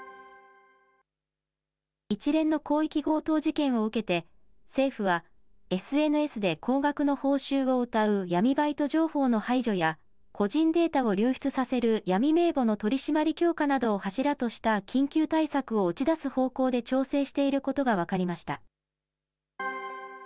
一連の広域強盗事件を受けて、政府はＳＮＳで高額の報酬をうたう闇バイト情報の排除や、個人データを流出させる闇名簿の取締り強化などを柱とした緊急対策を打ち出す方向で調整していることが分かりました。